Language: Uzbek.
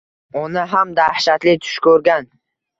Ona ham dahshatli tush ko‘rgan